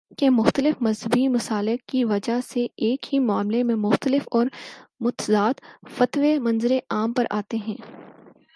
کہ مختلف مذہبی مسالک کی وجہ سے ایک ہی معاملے میں مختلف اور متضاد فتوے منظرِ عام پر آتے ہیں